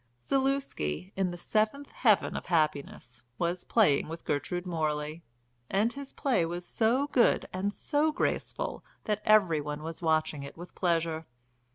Zaluski, in the seventh heaven of happiness, was playing with Gertrude Morley, and his play was so good and so graceful that every one was watching it with pleasure.